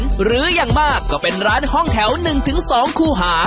หรืออย่างมากก็เป็นร้านห้องแถว๑๒คู่หา